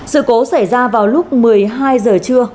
sự cố xảy ra vào lúc một mươi hai giờ trưa